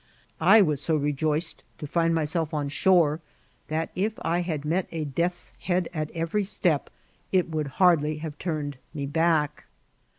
I was so rejoiced to find myself on shore, that if I had met a death's head at every step it would hardly have turned me back.